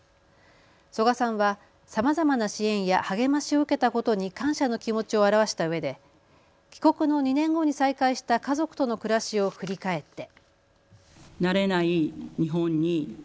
曽我さんはさまざまな支援や励ましを受けたことに感謝の気持ちを表したうえで帰国の２年後に再会した家族との暮らしを振り返って。